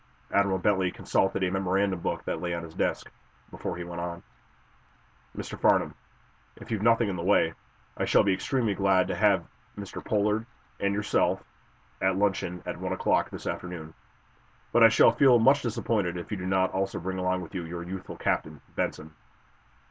Admiral Bentley consulted a memorandum book that lay on his desk, before he went on: "Mr. Farnum, if you've nothing in the way, I shall be extremely glad to have Mr. Pollard and yourself at luncheon at one o'clock this afternoon. But I shall feel much disappointed if you do not also bring with you your youthful captain, Benson."